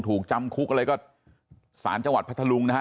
ถูกจำคุกอะไรก็สารจังหวัดพัทธลุงนะฮะ